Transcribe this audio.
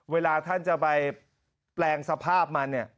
เวลาท่านจะไปแปลงสภาพมันเนี่ย